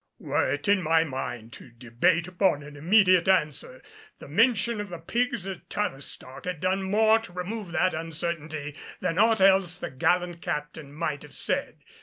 Were it in my mind to debate upon an immediate answer, the mention of the pigs at Tavistock had done more to remove that uncertainty than aught else the gallant captain might have said.